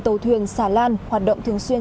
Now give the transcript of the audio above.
tàu thuyền xà lan hoạt động thường xuyên